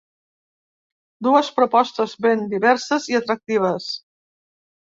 Dues propostes ben diverses i atractives.